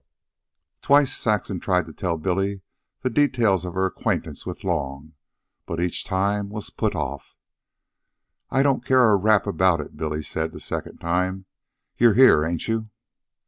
Twice Saxon tried to tell Billy the details of her acquaintance with Long, but each time was put off. "I don't care a rap about it," Billy said the second time. "You're here, ain't you?"